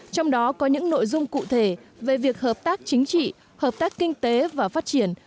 trong đó có những nội dung cụ thể về việc hợp tác chính trị hợp tác kinh tế và phát triển